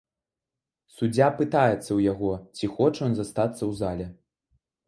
Суддзя пытаецца ў яго, ці хоча ён застацца ў зале.